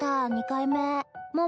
２回目桃